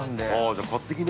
◆じゃあ、買ってきなよ。